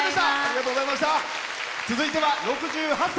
続いては、６８歳。